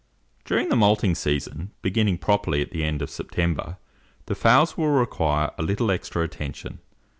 During the moulting season beginning properly at the end of September, the fowls will require a little extra attention.